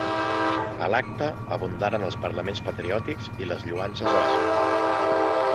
A l'acte abundaren els parlaments patriòtics i les lloances a la ciutat.